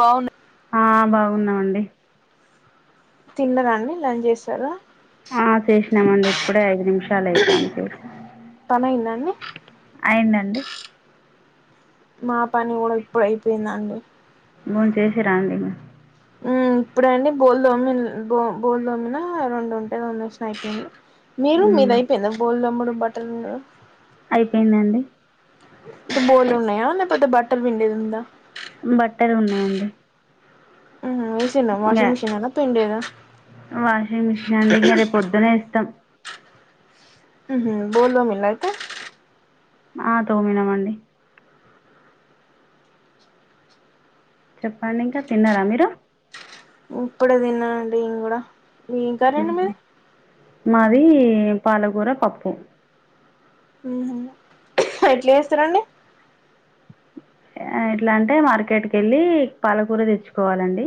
బావున్న ఆ బాగున్నామండి. తిన్నరాండి. [unintelligible] చాల ఆ చేసిన్యామండి. ఇప్పుడే ఐదు నిమిషాలు అయితాంది. ఇప్పుడు నువ్వు అయ్యిందండి. మా పని కూడా ఇప్పుడు అయిపోయిందండి. బొంచేసారాండి. మీ హ్మ్ ఇప్పుడెండి. బోల్దోమిన్ బోమ్, బోల్దోమినా రెండు ఉం [unintelligible] తోమెస్న అయిపోయినాయి గా మీరు మ్మ్ మీదైయిపోయింద, బోల్తోమ్మడం బట్ట్ తన్నా అయిపోయిందండి బోల్లు ఉన్నాయా లేకపోతే బట్టలు పిండెది. ఉంద ఇన్గా వాషింగ్ మిషనేనా పిండేదా వాషింగ్ మిషనా అండి. ఇంగ రేపొద్దునే ఇస్తాం. హుహ్మ్, బోల్ల్తోమిలైతే ఆ తోమీనామండి. చెప్పండి. ఇంకా తిన్నారా మీరు హ్మ్ ఇప్పుడే తిన్నా అండి. ఇం కూడా మీఇంకారెండి. మీరు మేమ్ పాలకూర పప్పు హ్మ్ హుహ్ ఎట్లేస్తారండి. ఆ ఎట్లా అంటే, మార్కెట్ కెళ్ళి పాలకూర తెచ్చుకోవాలండి.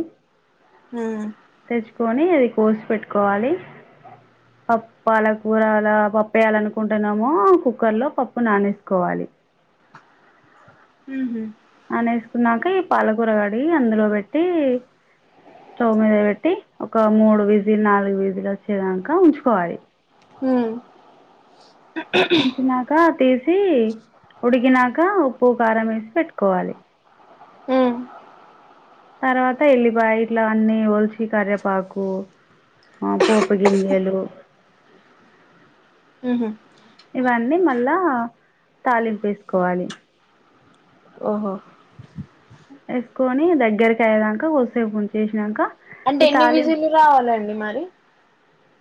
ఉమ్ తెచ్చుకోని అది పోస్ పెట్టుకోవాలి, పప్ప్ పాలకూరల పప్పేయాలనుకుంటున్నామో, కుక్కర్ లో పప్పు నానేసుకోవాలి. ఉహు అన్నే వేసుకున్నాక, ఇప్ పాలకూరగాడిగి అందులో వెట్ ట్టి స్టవ్ మీద పెట్టి ఒక మూడు విజిల్, నాలుగు విజిలు వచ్చేదాంక ఉంచుకోవాలి. హమ్ ఉంచినాక తీసి ఉడికిినక ఉప్పు కారం వేసి పెట్టుకోవాలి ఉమ్ తర్వాత అంత వెళ్ళిపోయే ఇట్లా అన్ని ఓలసి కరేపాకు ఆ పోపు గింజలు ఉహం ఇవన్నీ మళ్ళా తాలింపూ వేసుకోవాలి ఓహో వేసుకొని దగ్గరకి అయేదాక కొసేపు ఉంచేశ్నక అంటే ఎన్ని విజిలు రావాలండి మరి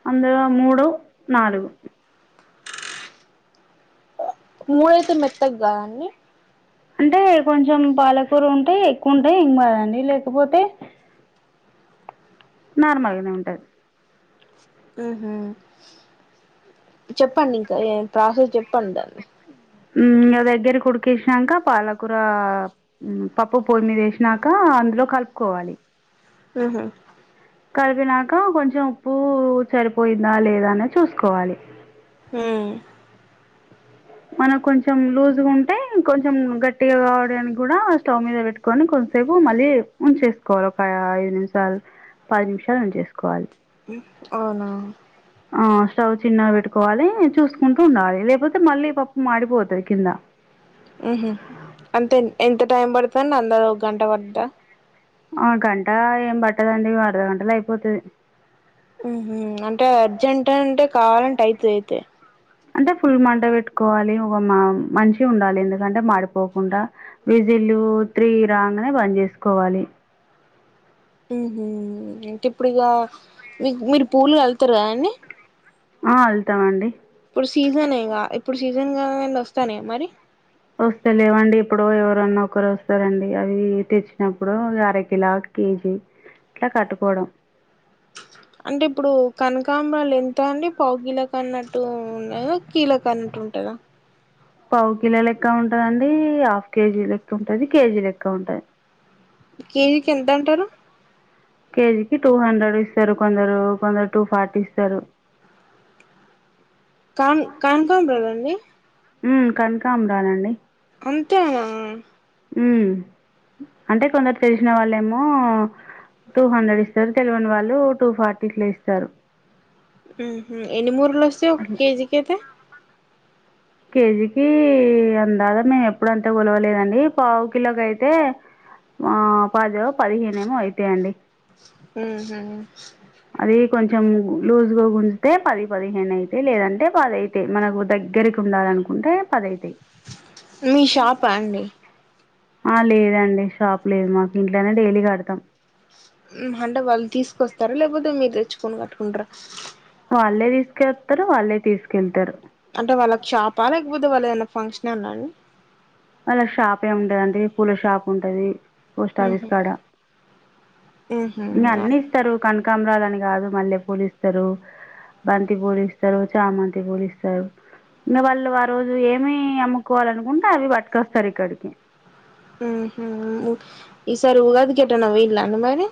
అందులో మూడు నాలుగు మూడైతే మెత్తగకాద అండి అంటే కొంచెం పాలకూర ఉంటే ఎక్కువ ఉంటె ఎంకదండి లేకపోతే నార్మల్గానే ఉంటుంది ఆహా చెప్పండి ఇంకా ప్రాసెస్ చెప్ప పండన్ దగ్గర డికేసినాక పాలకూర పప్పు పొయ్యి మీద వేసినాక అందులో కలుపుకోవాలి ఉహు కలిపినాక కొంచెం ఉప్పు సరిపోయిందా లేదా అనే చూసుకోవాలి హమ్ మనకు కొంచెం లూజ్ ఉంటే కొంచెం గట్టిగా కావడానికి కూడా స్టవ్ మీద పెట్టుకొని కొంచంసేపు మళ్ళీ ఉంచేసుకోవాలి ఒక ఐదు నిమిషాలు పాది నిమిషాలు ఉంచేసుకోవాలి అవునా ఆ స్టవ్ చిన్నగా పెట్టుకోవాలి చూసుకుంటూ ఉండాలి లేకపోతే మళ్ళీ పప్పు మాడిపోతుంది కింద ఉహ అంతే ఎంత టైం పడుతుండి అంద ఒక గంట పడ్తదా ఆ గంట ఏం పట్టదండి అర్ధ గంటల అయిపోతుది అంటే అర్జెంటట్ అంటే కావాలంటే అయితే అయితే అంటే ఫుల్ మంట పెట్టుకోవాలి ఒక మా మంచి ఉండాలి ఎందుకంటే మాడిపోకుండా విజిల్లు త్రీ రాగానే బంద్ చేసుకోవాలి ఉహం ఇంక ఇప్పుడు ఇగ మీ మీరు పూలు వెళ్తారుాద అడి [inaudible] ఆ అలూతం అండి ఇపుడు సీజనే ఇగ ఇపుడు సీజ నిజంగా వస్తానే మరి [inaudible] వస్తాలేవండి ఇప్పుడు ఎవరున్నా ఒకరు వస్తారండి అవి తెచ్చినప్పుడు అరకిలా కేజీ ఇలా కట్టుకోవడం అంటే ఇప్పుడు కనుక కాంబ్రాలు ఎంత అండి పావుకిలకు అన్నట్టు ఉండదా కీలకు అన్నట్టు ఉంటుందా పావు కిలో లెక్క ఉంటదండి హాఫ్ కేజీ లెక్క ఉంటంది కేజీ లెక్క ఉంటది కేజీకి ఎంత అంటారు కేజీకి టూ హండ్రెడ్ ఇస్తారు కొందరు కొందరు టూ ఫార్టీ ఇస్తారు కాన్ కాన్కాం్రాాలండి [inaudible] కనకామరాలండి అంతేనా హుమ్ అంటే కొందరు తెలిసిన వాళ్ళేమో టూ హండ్రెడ్ ఇస్తారు తెలివని వాళ్ళు టూ ఫార్టీ ఇట్ల ఇస్తారు ఇని మూరు తులసి ఒక కేజీ కతే కేజీకి అందాదా మేము ఎప్పుడంతా గొలవలేదండి పావు కిలోకి అయితే ఆ పాదో పదిహేనే ఏమో అయితాయండి ఊహూ అది కొంచెం లూజ్గా గుంజుతే పది పదిహేను అయితయి లేదంటే పది అవుతయి మనకు దగ్గరికి ఉండాలనుకుంటే పది అవుతాయి మీ షాపా అండి ఆ లేదండి షాప్ లేదు మాకు ఇంట్లోనే డైలీ కడతాం అంటే వాళ్ళు తీసుకొస్తారా లేకపోతే మీరు తెచ్చుకొని కట్టుకుంటార వాళ్ళే తీసుకెతారు వాళ్ళే తీసుకెళ్తారు అంటే వాళ్ళకి షాప్ ఆ లేకపోతే అందువల్ల ఏదైనా ఫంక్షన్ ఉన్నాండి అళ్ షాప్ ఏ ఉంటదండి పూల షాప్ ఉంటది పోస్టఆఫీస్ ఉహు కాడ ఉహు ఇక అన్ని ఇస్తారు కనకామరాలు అన్నీ కాదు మల్లె పూలిస్తారు బంతి పూలిస్తారు చామంతి పూలిస్తారు [unintelligible] ఏమి అమ్ముకోవాలనుకుంటే అవి పట్ట కస్తార క ఇక్కడికి అహా ఈసారి ఉగాది కేటనా వీలే అ మరి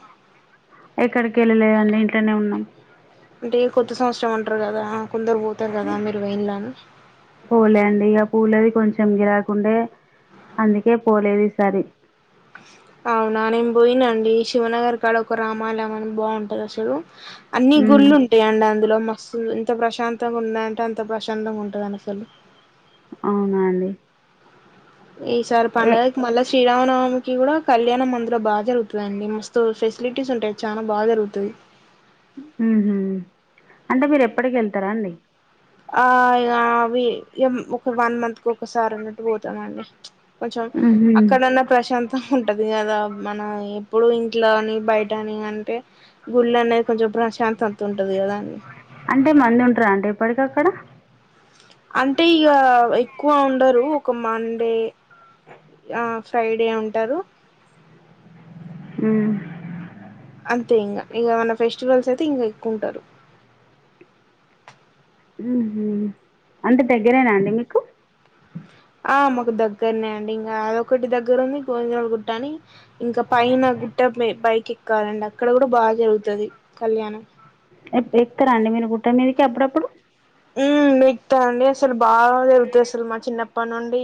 ఎక్కడికి వెళ్ళలేదండి ఇంట్లోనే ఉన్నాం అంటే కొత్త సంవత్సరం ఉంటారు కదా కొందరు పోతారు కదా మీరు వెయిన్లా అని పూలవి కొంచెం గిరాకుండే అందుకే పోలేదు ఈసారి అవునా నేను పోయినండి శివనగర్ కాడ ఒక రామాలయం అని బాగుంటది అసలు అన్నిీ మ్మ్ గుళ్ళు ఉంటాయి అండి అందులో ఇంత ప్రశాంతంగా ఉన్నంటే అంత ప్రశాంతంగా ఉంటుందని అసలు అవునా అండి ఈ సార్ ఏ పంండగకి మళ్ళీ శ్రీరామనవమికి కూడా కళ్యాణం మందులో బాగా జరుగుతుందిండి మస్తు ఫెసిలిటీస్ ఉంటాయి చాలా బాగా జరుగుతుంది ఉహు అంటే మీరు ఎప్పటికి వెళ్తారా అండి ఆ ఇ అవి ఒక వన్ మంత్ కు ఒకసారి సారన్నట్టు పోతా అండి కొంచెం మ్హూ అక్కడన్నా ప్రశాంతం ఉంటది కదా మన ఈ ఇప్పుడు ఇంట్లో అని బయట అని అంటే గుళ్ళ అనేది కొంచెం ప్రశాంత త ఉంటది కదాండి అంటే మంది ఉంటారా అండి ఎప్పటికి అక్కడ అంటే ఇగ ఎక్కువ ఉండరు ఒక మండే ఆ ఫ్రైడే ఉంటారు ఉమ్మ్ అంతే ఇంగ ఇగేమన్నా ఫెస్టివల్స్ అయితే ఇంకా ఎక్కువుంటారు ఊహూ అంటే దగ్గరేనా అండి మీకు ఆ మాకు దగ్గరనే అండి గ అదొకటి దగ్గరుంది గోవిందరాజులు గుట్ట అని ఇంకా పైన గుట్టట్లే పైకి క్కాలండి అక్కడ కూడా బా జరుగుతది కళ్యాణం ఎక్కరా అండి మీరు గుట్ట మీదకి ఎప్పుడప్పుడు ఉమ్ ఎక్కుతా అండి అసలు బాగా జరుగుతాయి అసలు మా చిన్నప్పటి నుండి డి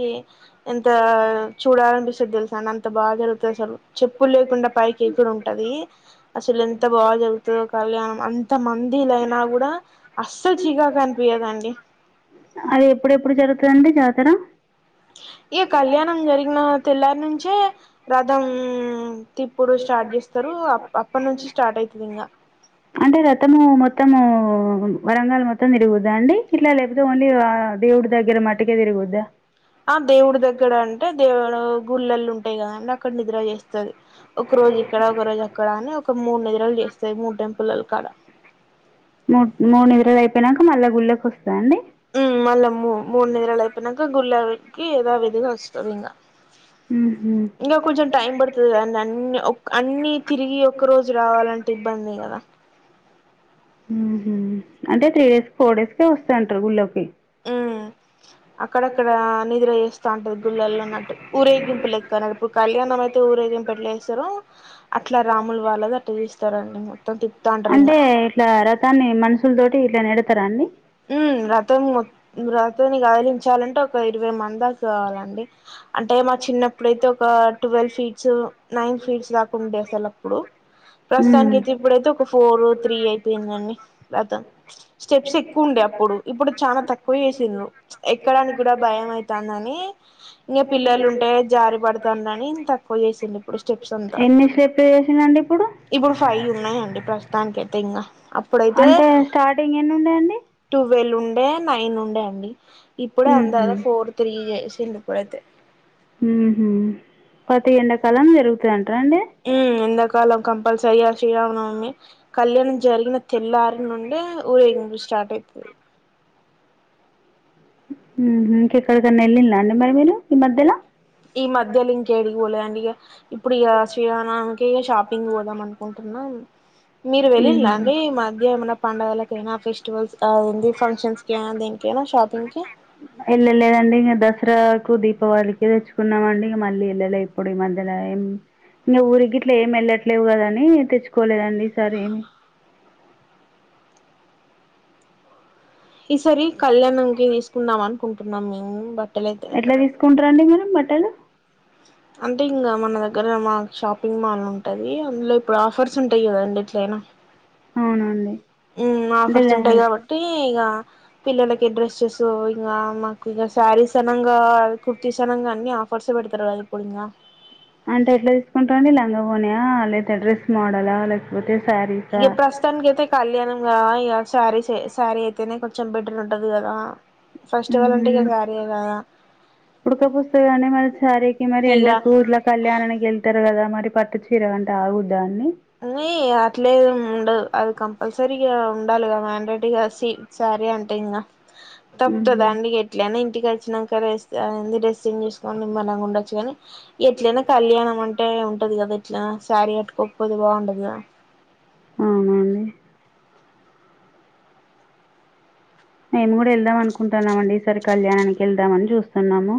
ఎంత చూడాలనిపిస్తది తెలుసాండి అంత త బా జరుగుత అసలు చెప్పు లేకుండా పైకి ఎక్కుడుంటది అసలు ఎంత బాగా జరుగుతదో కళ్యాణం అంత మందిలైనా కూడా అస్సలు చికాకని పియ్యదండి అది ఎప్పుడెప్పుడు జరుగుతదండి జాతర ఈ కళ్యాణం జరిగిన తెల్లారి నుంచే రథం తిప్పుడు స్టార్ట్ చేస్తారు అప్ అప్పటి నుంచి స్టార్ట్ ఐతుదింగ అంటే రథము మొత్తము వరంగల్ మొత్తం తిరుగుద్దా అండి ఇట్లా లేకపోతే ఓన్లీ దేవుడి దగ్గర మట్టుకే తిరుగుద్దా ఆ దేవుడి దగ్గర అంటే దేవు లో గుళ్ళలు ఉంటాయి కదా అండి అక్కడ నిద్ర చేస్ తుంది ఒక రోజు ఇక్కడ ఒక రోజు అక్కడ అని ఒక మూడు నిద్రలు చేస్తాయి మూడు టెం పుల్లల్ కాడ మూడు మూడు నిద్రలు అయిపోయినాక మళ్ళా గుళ్ళోకొస్ మ్ మళ్ళా మూ మూడు నిదరలు అయిపోయినాక గుళ్ళకి యాధావిధిగా వస్తుంది ఇంకా హుహు. ఇంకా కొంచెం టైం పడుతుంది కదా అన్ని అన్ని తిరిగి ఒక్క రోజు రావాలంటే ఇబ్బంది కదా అంటే త్రీ డేస్ ఫోర్ డేస్ కే వస్తాయంటారు గుళ్ళోకి ఉమ్ అక్కడక్కడ నిద్ర చేస్తాంటది గుళ్ళల్లో అన్నట్టు ఊరేగింపు లెక్కన ఇప్పుడు కళ్యాణం అయితే ఊరేగింపు ఎట్లు చేస్ హీరో అట్లా రాములు వాళ్ళది అట్ట చూస్తరుండి మ అంటే ఇట్లా రథాన్ని మనుషుల తోటి ఇట్లా నడి తరా అండి మ్మ్ రథం మొ రథాన్ని కదిలించాలంటే ఒక ఇరవై మంది దాకా కావాలండి అంటే మా చిన్నప్పుడైతే ఒక ట్వెల్వ్ ఫీట్స్ నైన్ ఫీట్స్ దాకా ఉండే అసలు అప్పుడు ప్రస్తుతానికి హ్మ్. అయితే ఇప్పుడైతే ఒక ఫోర్ త్రీ అయిపోయిందండి రథం స్టెప్స్ ఎ క్కుండే అప్పుడు ఇప్పుడు చానా తక్కువ చేసిండ్రు ఎక్కడానికి కూడా భయం ఐతాందిని ఇంకా పిల్లలు ఉంటే జారి పడుతుండని తక్కువ చేసిండు ఇప్పుడు స్టెప్స్ అంతా ఎన్ని స్టెప్లు చేసిండండి ఇప్పుడు ఇప్పుడు ఫైవ్ ఉన్నాయండి ప్రస్ దానికైతే ఇంగా అప్పుడైతే అంటే స్టార్టింగ్ ఎన్ని ఉండే అండి ట్వెల్వ్ ఉండే నైన్ ఉండే అండి ఇప్పుడు అందరూ ఊహు ఫోర్ త్రీ చేసిండు ఇప్పుడైతే ఉంహ్ పతి ఎెడా కాలం జరుగుతంటార అండి ఉం ఎండకాలం కంపల్సరిగా శ్రీరామ నవమి కళ్యాణం జరిగిన తెల్లారి నుండే ఊరేగింపు స్టార్ట్ అయితుది మ్ ఇంకెక్కడికన్నా వెళ్ళిన్రా అండి మరి మీరు ఈ మధ్యలో ఈ మధ్యల ఇంకేడి పోలేండిక ఇప్పుడు ఇక శ్రీరామా నవమికి షాపింగ్ పోదాం అనుకుంటున్నా మీరు వెళ్ళిలా ఊహు అండి ఈ మధ్యమేన పండుగల నా ఫెస్టివల్స్ ఆ డి ఫంక్షన్స్కి దేనిక షాపింగ్ కి కు దీపావళికిె తెచ్చుకున్నామండి ఇ మళ్ళీ వెళ్ళలే ఇప్పుడు ఈ మధ్యలో ఇంక ఊరి ఇట్లా ఏమి వెళ్ళట్లేవు కదాని తెచ్చుకోలేదండి ఈసారి ఏమి ఈసరి కళ్యాణం కి తీసుకుందాంని కుంటున్నాం మేము బట్ ఎట్లా తీస్కుంటారండి మీరు మటన్? అంటే ఇంగ మన దగ్గర మా షాపింగ్ మాల్ ఉంటది అందులో ఇప్పుడు ఆఫర్స్ ఉంటాయ్ గదండి ఏట్లయ్నా అవునాండి ఉమ్ ఆఫర్స్ ఉంటాయ్ గాబట్టి ఇగా పిల్లల్కి డ్రెస్సెస్సు ఇంగ్ ఆ మా ఇగా శారీస్ అనంగా కుర్తీస్ అనంగా అన్ని ఆఫర్స్ పెడ్తారు గదా ఇప్పుడు ఇంకా లంగావోణా య లేతే డ్రెస్ మోడల్ ఆ లేకపోతే శారీసా ఇగ ప్రస్తుతన్కాయ్థె కళ్యాణంగా ఇగ శారీసే శారీ అయితేనే కొంచెం బెటర్ ఉంటది గదా ఉహుమ్ ఉడుక పోస్తదికానే మరి శారీకి మరి ఇగ ఎండకూ ఇట్లా కళ్యాణానికి వెల్తే గదా మరి పట్టు చీరంట ఆగుద్దాని ని అట్లేమ్ ఉండదు అది కం పల్సరీగా ఉండాల్గా మ్యాండెడ్గా సి సారీ అంటే ఇంగా ఉహు తప్తాదాన్డి ఎట్లయ్నా ఇన్ ఇంటికి వచ్చినాన్క రెస్ట్ ఆ య్నది డ్రెస్సింగ్ చేస్కొని నిమ్మాలంగా ఉండొచ్చు గాని ఎట్లయ్నా కళ్యాణం అంటే ఉంటది గదా ట్లా శారీ కట్కో పొదెబావుండద్గా అవునన్డి మేము కూడా వెళ్దాం అనుకొంటున్నామండి ఈసారి కళ్యాణానికి వెళ్దామని జూస్తున్నాము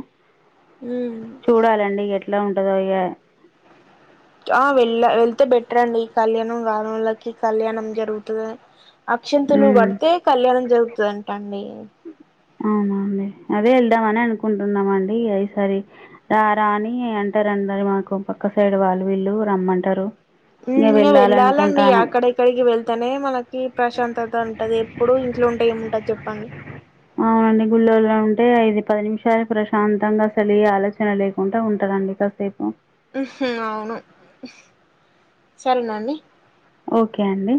మ్మ్ చూడాలండి ఎట్లా ఉంట్ ట్ దో ఇగ ఆ వెళ్ళ వెళ్తే బెట్ ట్రండి కళ్యాణంగానోళ్ళకి కళ్యాణం జరుగుతదా అక్షింతులు ఉమ్ కడ్తే కళ్యాణం జరుగుతదంట అండి. అవునా అండి అదే వెళ్దామని అనే అనుకుంటున్నామన్డి ఇగ ఈసారి రా రాని అంటార్ అందరూ మా కొంపా పక్క సైడ్ వాళ్ళు వీళ్ళు రమంటారు. ఉమ్ వెళ్ళాలండి అక్కడక్కడికి వెళ్తేనే మనకి ప్ర. ప్రశాంతాత ఉంటది ఎప్పుడు ఇంట్లో ఉంటే ఏముంటంది. చెప్పన్డి. అవునండి గుళ్ళోల్లో ఉంటే ఐదు పది నిమిషాలు ప్రశాంతంగా అసలీ ఏ ఆలోచన లేకుండా ఉంటదండి కాసేపు. ఇహ్ అవును. సరేనా అండి. ఒకే అండి.